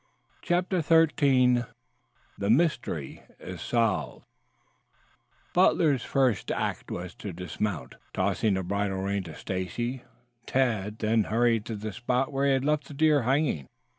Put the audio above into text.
CHAPTER XIII THE MYSTERY IS SOLVED Butler's first act was to dismount, tossing the bridle rein to Stacy. Tad then hurried to the spot where he had left the deer hanging.